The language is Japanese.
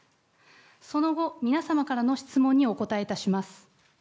その後、皆様からの質問にお答えいたします。